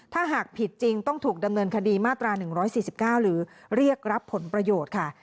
ถ้าหากผิดจริงต้องถูกดำเนินคดีมาตรา๑๔๙หรือเรียกรับผลประโยชน์ค่ะ